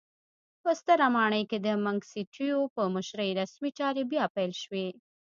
په ستره ماڼۍ کې د منګیسټیو په مشرۍ رسمي چارې بیا پیل شوې.